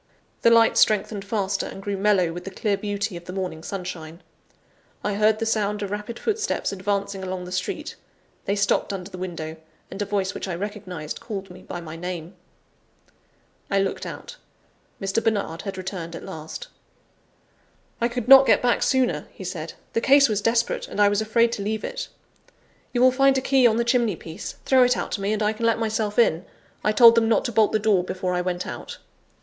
The light strengthened faster, and grew mellow with the clear beauty of the morning sunshine. I heard the sound of rapid footsteps advancing along the street; they stopped under the window: and a voice which I recognized, called me by my name. I looked out: Mr. Bernard had returned at last. "I could not get back sooner," he said; "the case was desperate, and I was afraid to leave it. You will find a key on the chimney piece throw it out to me, and I can let myself in; I told them not to bolt the door before I went out."